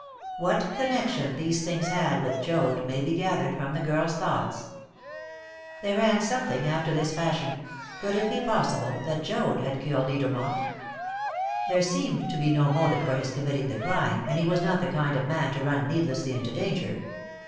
What connection these things had with Joad may be gathered from the girl's thoughts. They ran something after this fashion: "Could it be possible that Joad had killed Edermont? There seemed to be no motive for his committing the crime, and he was not the kind of man to run needlessly into danger.